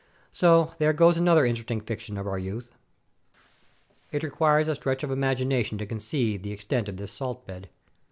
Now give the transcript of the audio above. So there goes another interesting fiction of our youth. It requires a stretch of imagination to conceive the extent of this salt bed.